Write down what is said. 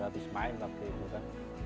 habis main tapi itu kan